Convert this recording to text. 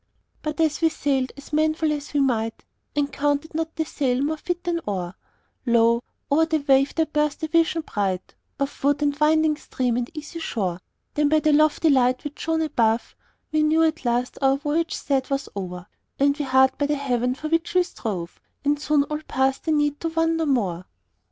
"But as we sailed as manful as we might, And counted not the sail more fit than oar, Lo! o'er the wave there burst a vision bright Of wood, and winding stream, and easy shore. Then by the lofty light which shone above, We knew at last our voyage sad was o'er, And we hard by the haven for which we strove, And soon all past the need to wander more.